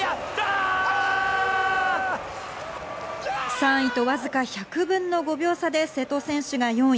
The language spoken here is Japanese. ３位とわずか１００分の５秒差で瀬戸選手が４位。